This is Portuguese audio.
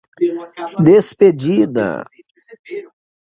Despedida